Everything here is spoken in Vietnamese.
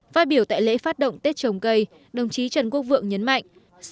phát biểu tại lễ phát động tết trồng cây đồng chí trần quốc vượng nhấn mạnh